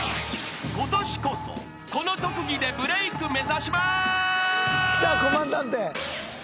［ことしこそこの特技でブレーク目指します］